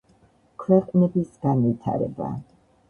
ქვეყნების განვითარება